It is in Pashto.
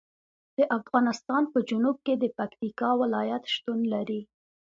د افغانستان په جنوب کې د پکتیکا ولایت شتون لري.